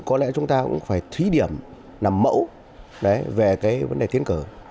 có lẽ chúng ta cũng phải thí điểm làm mẫu về cái vấn đề tiến cử